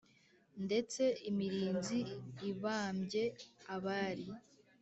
ndetse imirinzi ibambye abari